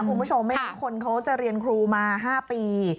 คุณผู้ชมไม่งั้นคนเขาจะเรียนครูมา๕ปี